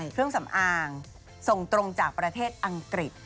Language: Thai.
เครื่องสำอางส่งตรงจากประเทศอังกฤษ